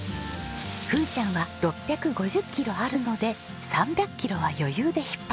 ふーちゃんは６５０キロあるので３００キロは余裕で引っ張れます。